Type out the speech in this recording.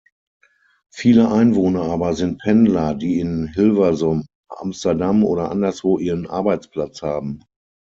Viele Einwohner aber sind Pendler, die in Hilversum, Amsterdam oder anderswo ihren Arbeitsplatz haben.